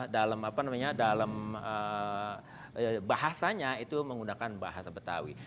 dalam bahasanya itu menggunakan bahasa betawi